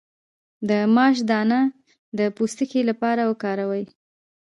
د ماش دانه د پوستکي لپاره وکاروئ